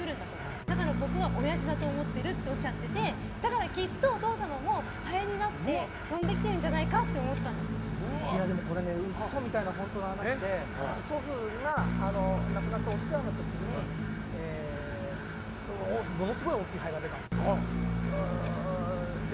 だから僕はおやじだと思ってるっておっしゃっててきっとお父様もハエになって飛んできてらっしゃると嘘みたいな本当の話で祖父が亡くなったお通夜の時にものすごい大きいハエが出たんですよ。